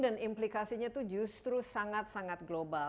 dan implikasinya itu justru sangat sangat global